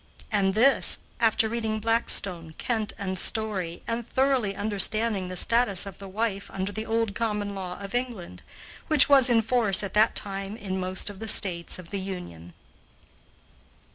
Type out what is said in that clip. And this, after reading Blackstone, Kent, and Story, and thoroughly understanding the status of the wife under the old common law of England, which was in force at that time in most of the States of the Union.